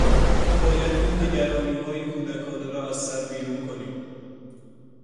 تو باید این نگرانیهای کودکانه را از سر بیرون کنی!